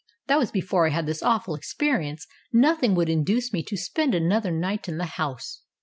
"That was before I had this awful experience. Nothing would induce me to spend another night in the house.